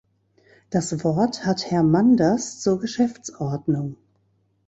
Das Wort hat Herr Manders zur Geschäftsordnung.